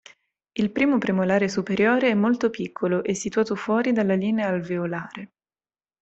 Il primo premolare superiore è molto piccolo e situato fuori dalla linea alveolare.